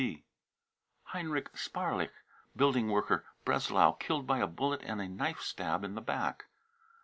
{WTB.) heinrich sparlich, building worker, Breslau, killed by a bullet and a knife stab in the back.